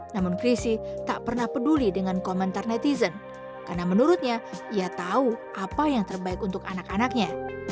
namun chrisy tak pernah peduli dengan komentar netizen karena menurutnya ia tahu apa yang terbaik untuk anak anaknya